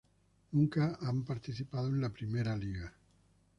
Nunca han participado en la Primeira Liga.